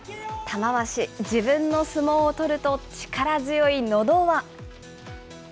玉鷲、自分の相撲を取ると力強いのど輪。